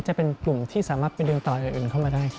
จะเป็นกลุ่มที่สามารถไปเดินต่ออย่างอื่นเข้ามาได้